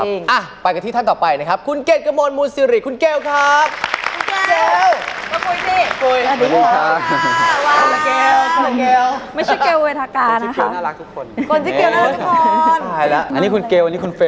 ไม่ใช่เกลเวทากานะคะคนชิคเกลน่ารักทุกคนอันนี้คุณเกลอันนี้คุณเฟล